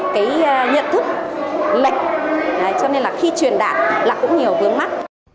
cái nhận thức lệch cho nên là khi truyền đạt là cũng nhiều vướng mắt